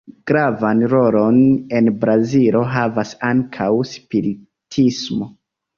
Gravan rolon en Brazilo havas ankaŭ spiritismo.